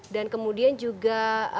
dan kemudian juga